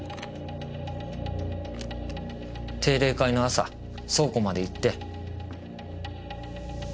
定例会の朝倉庫まで行って。